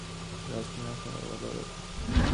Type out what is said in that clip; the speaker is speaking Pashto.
د لاس تڼاکه ملغلره ده.